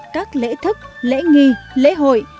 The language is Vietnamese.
đặt các lễ thức lễ nghi lễ hội